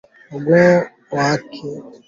unga wa viazi lishe huweza kupikwa chapati